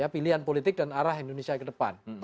pilihan politik dan arah indonesia ke depan